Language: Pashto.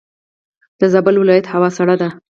دزابل ولایت هوا سړه ده.